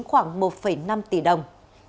khoảng một năm tỷ đồng